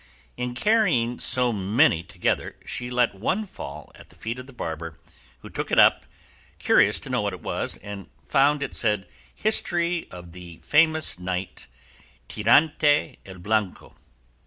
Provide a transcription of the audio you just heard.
In carrying so many together she let one fall at the feet of the barber, who took it up, curious to know whose it was, and found it said, "History of the Famous Knight, Tirante el Blanco."